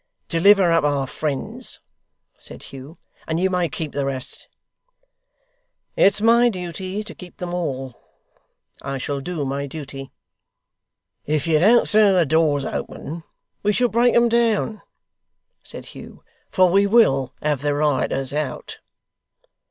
'Deliver up our friends,' said Hugh, 'and you may keep the rest.' 'It's my duty to keep them all. I shall do my duty.' 'If you don't throw the doors open, we shall break 'em down,' said Hugh; 'for we will have the rioters out.